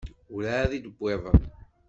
Werɛad i d-wwiḍen.